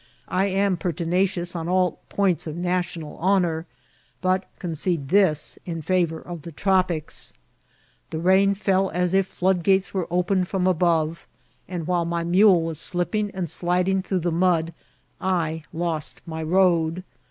I am pertinacious on all points of national honour, but concede this in favour of the tropics. The rain fell as if floodgates were opened from above ; and while my mule was slipping and sliding through the mud I lost my road.